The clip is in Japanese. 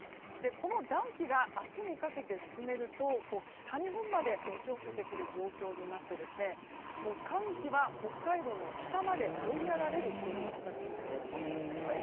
この暖気が明日にかけて進めると北日本まで押し寄せてくる状況になって寒気は北海道の北まで追いやられる形になりそうです。